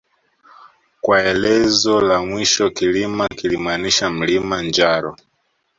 Kwa elezo la mwisho Kilima kilimaanisha mlima njaro